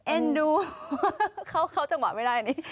เอ็นดูเขาจังหวะไม่ได้